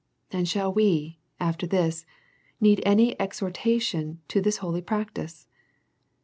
And shall we, after this, need any exhortation to this holy practise?